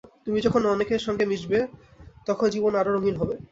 তুমি যখন অন্য অনেকের সঙ্গে মিশবে, তখন জীবন আরও রঙিন হয়।